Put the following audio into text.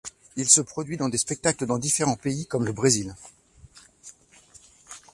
Il se produit dans des spectacles dans différents pays, comme le Brésil.